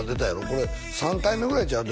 これ３回目ぐらいちゃう？